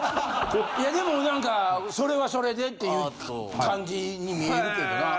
いやでも何かそれはそれでっていう感じに見えるけどな。